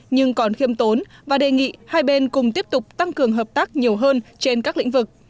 nhưng còn khiêm tốn và đề nghị hai bên cùng tiếp tục tăng cường hợp tác nhiều hơn trên các lĩnh vực